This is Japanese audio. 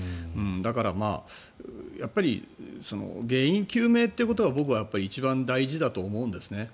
だから、やっぱり原因究明ということは僕は一番大事だと思うんですね。